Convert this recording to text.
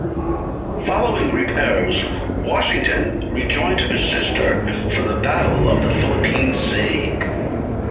Following repairs, "Washington" rejoined her sister for the Battle of the Philippine Sea.